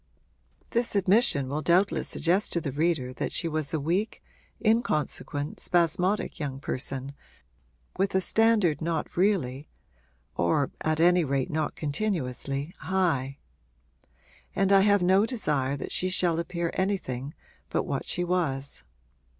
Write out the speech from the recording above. This admission will doubtless suggest to the reader that she was a weak, inconsequent, spasmodic young person, with a standard not really, or at any rate not continuously, high; and I have no desire that she shall appear anything but what she was.